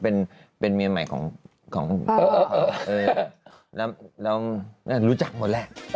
ก็เป็นเมียใหม่ของของเอออ่ะเออเราเนี่ยรู้จักทั้งหมดแหละ